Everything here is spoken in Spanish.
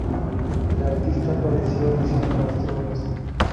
La artista padeció adicción a las drogas.